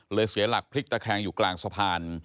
เสียหลักพลิกตะแคงอยู่กลางสะพาน